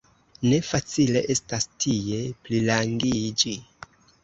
Ne facile estas tie plirangiĝi.